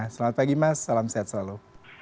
selamat pagi mas salam sehat selalu